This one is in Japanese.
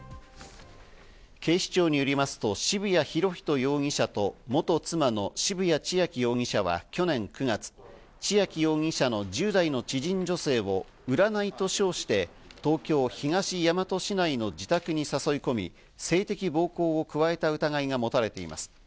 警視庁によりますと、渋谷博仁容疑者と、元妻の渋谷千秋容疑者は去年９月、千秋容疑者の１０代の知人女性を占いと称して東京・東大和市内の自宅に誘い込み、性的暴行を加えた疑いが持たれています。